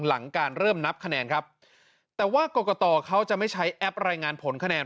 หลังการเริ่มนับคะแนนครับแต่ว่ากรกตเขาจะไม่ใช้แอปรายงานผลคะแนน